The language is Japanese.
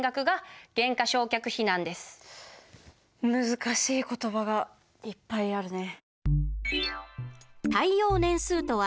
難しい言葉がいっぱいあるね。